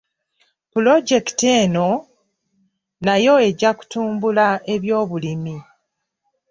Pulojekiti eno nayo ejja kutumbula ebyobulimi.